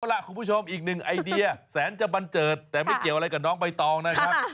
เอาล่ะคุณผู้ชมอีกหนึ่งไอเดียแสนจะบันเจิดแต่ไม่เกี่ยวอะไรกับน้องใบตองนะครับ